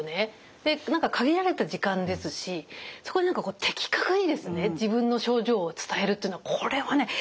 で何か限られた時間ですしそこで的確にですね自分の症状を伝えるっていうのはこれはね